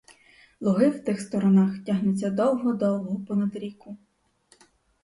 Луги в тих сторонах тягнуться довго-довго понад ріку.